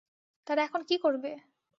তারা এখন কী করবে!